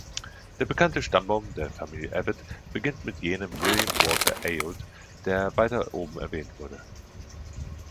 Der bekannte Stammbaum der Familie Evatt beginnt mit jenem William Walter Euote, der weiter oben erwähnt wurde.